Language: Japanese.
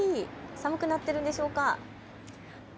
寒くなっているんでしょうか。